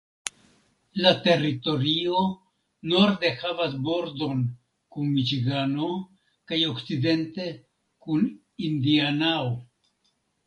La teritorio norde havas bordon kun Miĉigano kaj okcidente kun Indianao.